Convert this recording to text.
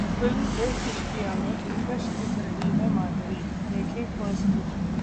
film 'Dedh Ishqiya' में दिलकश दिख रही हैं माधुरी, देखें फर्स्ट लुक